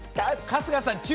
春日さん